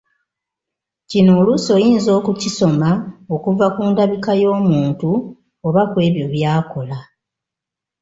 Kino oluusi oyinza okukisoma okuva ku ndabika y'omuntu oba kw'ebyo by'akola.